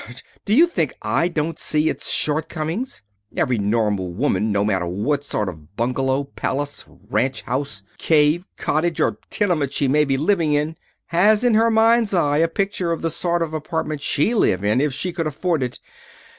Do you think I don't see its shortcomings? Every normal woman, no matter what sort of bungalow, palace, ranch house, cave, cottage, or tenement she may be living in, has in her mind's eye a picture of the sort of apartment she'd live in if she could afford it.